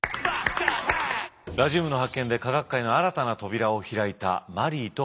ラジウムの発見で科学界の新たな扉を開いたマリーとピエール。